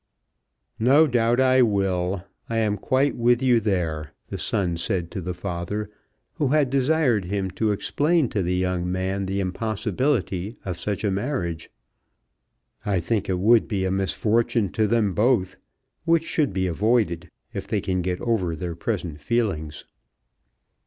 "No doubt I will. I am quite with you there," the son said to the father, who had desired him to explain to the young man the impossibility of such a marriage. "I think it would be a misfortune to them both, which should be avoided, if they can get over their present feelings."